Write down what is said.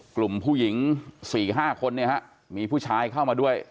กลุ่มผู้หญิง๔๕คนเนี่ยฮะมีผู้ชายเข้ามาด้วย